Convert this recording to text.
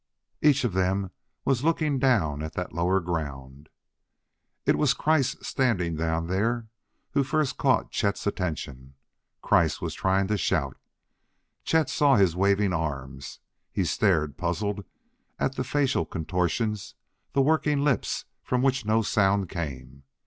Each of them was looking down at that lower ground. It was Kreiss standing down there who first caught Chet's attention. Kreiss was trying to shout. Chet saw his waving arms; he stared, puzzled, at the facial contortions the working lips from which no sound came.